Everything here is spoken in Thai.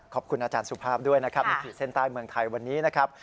ขอบคุณอาจารย์สุภาพด้วยนะครับในขีดเส้นใต้เมืองไทยวันนี้นะครับ